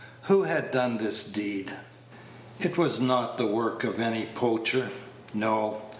Who had done this deed? It was not the work of any poacher. No.